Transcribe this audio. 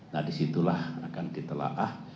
nah disitulah akan ditelaah